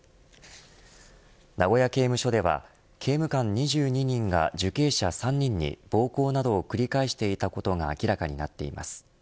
名古屋刑務所では刑務官２２人が受刑者３人に暴行などを繰り返していたことが明らかになっています。